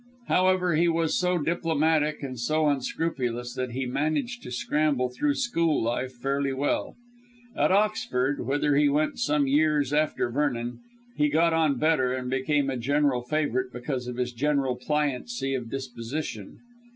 However, he was so diplomatic and unscrupulous that he managed to scramble through school life fairly well. At Oxford whither he went some years after Vernon he got on better, and became a general favourite because of his general pliancy of disposition.